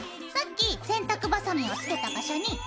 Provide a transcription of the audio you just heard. さっき洗濯バサミをつけた場所に。